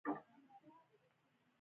غوښه پخه کړئ